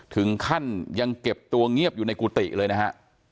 ถึงขั้นยังเก็บตัวเงียบอยู่ในกุฏิเลยนะฮะ